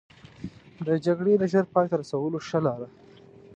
د جګړې د ژر پای ته رسولو ښه لاره.